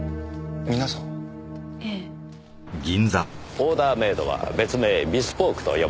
オーダーメードは別名ビスポークと呼ばれています。